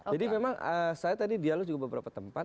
jadi memang saya tadi dialog juga beberapa tempat